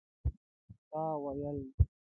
تا وویل?